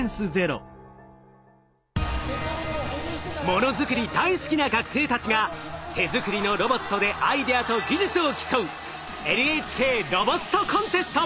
ものづくり大好きな学生たちが手作りのロボットでアイデアと技術を競う「ＮＨＫロボットコンテスト」。